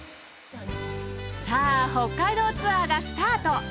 さぁ北海道ツアーがスタート。